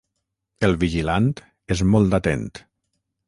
El vigilant és molt atent.